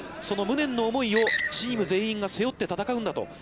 その無念の思いをチーム全員が、背負って戦うんだと。